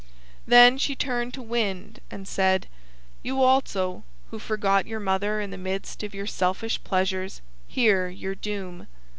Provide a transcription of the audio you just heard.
Then she turned to Wind and said, "You also who forgot your mother in the midst of your selfish pleasures—hear your doom.